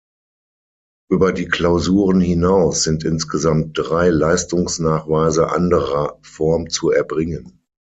Über die Klausuren hinaus sind insgesamt drei Leistungsnachweise anderer Form zu erbringen.